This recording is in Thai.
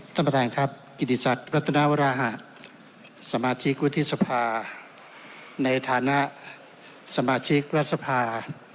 ท่านประธานครับกิติศักดิ์รัตนาวราหะสมาชิกวุฒิสภาในฐานะสมาชิกรัฐสภา